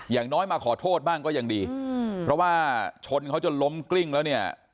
อย่างน้อยมาขอโทษบ้างก็ยังดีเพราะว่าชนเขาจนล้มกลิ้งแล้วเนี่ย